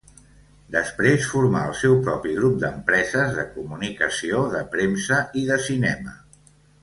Després formà el seu propi grup d'empreses de comunicació, de premsa i de cinema.